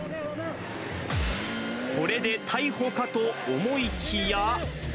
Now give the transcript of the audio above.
これで逮捕かと思いきや。